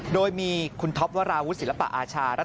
โดยมีคุณทบวราวุธศิลปะอาชารัฐมนตรี